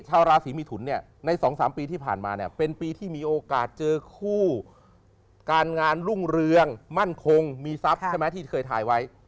ชาวราศีมิถุนเนี่ยใน๒๓ปีที่ผ่านมาเนี่ยเป็นปีที่มีโอกาสเจอคู่การงานรุ่งเรืองมั่นคงมีทรัพย์ใช่ไหมที่เคยถ่ายไว้